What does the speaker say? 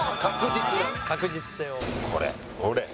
これほれ！